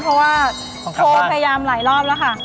เพราะว่าโทรพยายามหลายรอบแล้วค่ะ